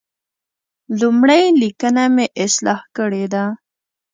لومړۍ لیکنه مې اصلاح کړې ده.